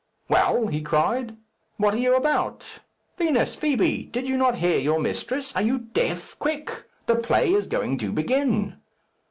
"Well!" he cried; "what are you about? Vinos! Fibi! Do you not hear your mistress? Are you deaf? Quick! the play is going to begin."